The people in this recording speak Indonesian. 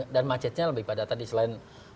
dan macetnya lebih padat tadi selain